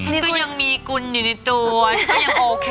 นี่ก็ยังมีกุลอยู่ในตัวฉันก็ยังโอเค